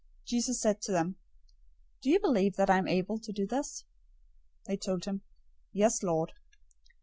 Jesus said to them, "Do you believe that I am able to do this?" They told him, "Yes, Lord."